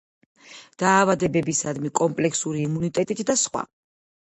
დაავადებებისადმი კომპლექსური იმუნიტეტით და სხვა.